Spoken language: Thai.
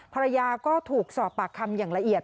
ภรรยาก็ถูกสอบปากคำอย่างละเอียด